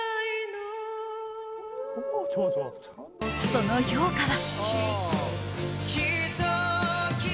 その評価は？